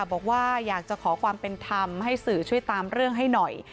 บอกว่าอยากจะขอความเป็นธรรมให้สื่อช่วยตามเรื่องให้หน่อย